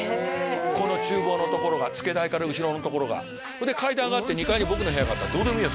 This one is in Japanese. この厨房の所が付け台から後ろの所がほいで階段上がって２階に僕の部屋があったどうでもいいよ